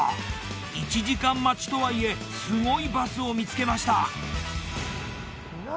１時間待ちとはいえすごいバスを見つけました。